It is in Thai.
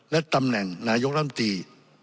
และตำแหน่งนายกรรมตรี